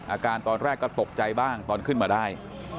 อาการตอนแรกก็ตกใจบ้างตอนขึ้นมาได้